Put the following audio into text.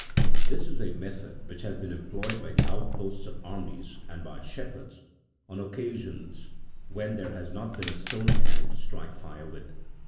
This is a method28 which has been employed by the outposts of armies, and by shepherds, on occasions when there has not been a stone at hand to strike fire with.